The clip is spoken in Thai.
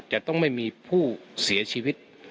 จะต้องไม่มีผู้เสียชีวิต